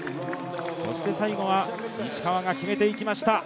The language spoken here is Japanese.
そして最後は石川が決めていきました。